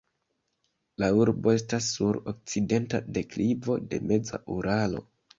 La urbo estas sur okcidenta deklivo de meza Uralo.